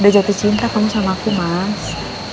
ada jatuh cinta kamu sama aku mas